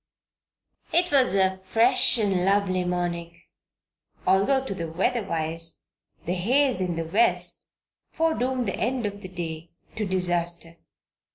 It was a fresh and lovely morning, although to the weather wise the haze in the West foredoomed the end of the day to disaster.